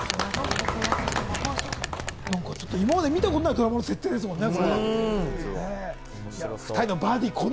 今まで見たことないドラマの設定ですもんね。